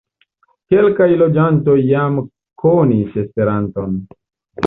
Kelkaj loĝantoj jam konis Esperanton.